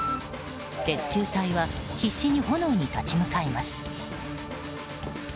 レスキュー隊は必死に炎に立ち向かいます。